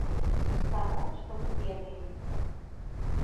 З таго, што мы ведаем.